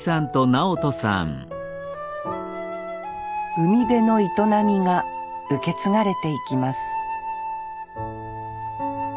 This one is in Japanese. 海辺の営みが受け継がれていきます